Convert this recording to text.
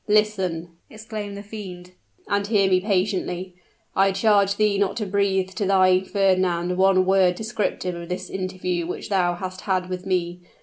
"Listen!" exclaimed the fiend, "and hear me patiently. I charge thee not to breathe to thy Fernand one word descriptive of this interview which thou hast had with me.